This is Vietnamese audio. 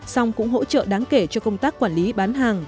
xong cũng hỗ trợ đáng kể cho công tác quản lý bán hàng